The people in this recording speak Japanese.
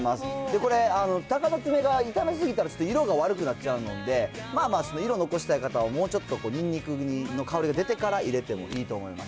これ、たかのつめが炒め過ぎたら、ちょっと色が悪くなっちゃうので、色残したい方は、もうちょっとニンニクの香りが出てから入れてもいいと思います。